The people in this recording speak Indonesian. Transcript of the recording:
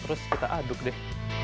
terus kita aduk deh